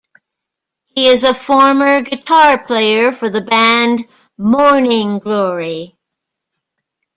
He is a former guitar player for the band Morning Glory.